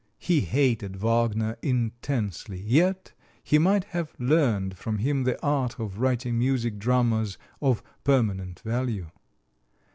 He hated Wagner intensely, yet he might have learned from him the art of writing music dramas of permanent value.